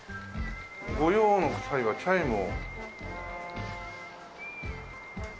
「御用の際はチャイムを」。